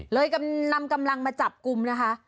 กำลังนำกำลังมาจับกลุ่มนะคะ